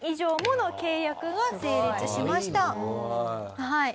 はい。